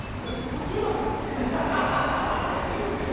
もちろんです。